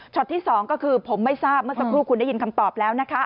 ที่๒ก็คือผมไม่ทราบเมื่อสักครู่คุณได้ยินคำตอบแล้วนะคะ